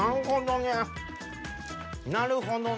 なるほどね。